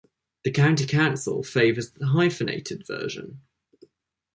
The County Council favours the hyphenated version.